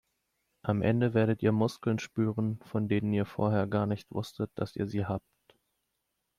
Am Ende werdet ihr Muskeln spüren, von denen ihr vorher gar nicht wusstet, dass ihr sie habt.